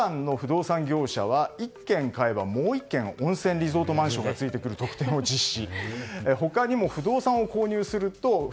武漢の不動産業者は１軒買えばもう１軒温泉リゾートマンションがついてくる特典を実施。